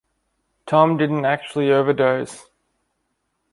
Tom didn't actually overdose.